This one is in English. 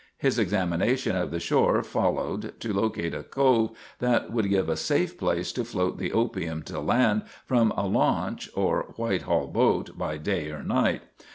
His examination of the shore followed to locate a cove that would give a safe place to float the opium to land from a launch or white hall boat by day or night.